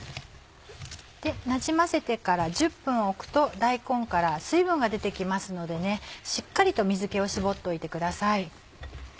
なじませてから１０分置くと大根から水分が出てきますのでしっかりと水気を絞っておいてください。